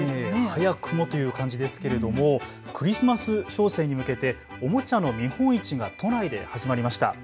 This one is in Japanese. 早くもっていう感じですけれどもクリスマス商戦に向けておもちゃの見本市が都内で始まりました。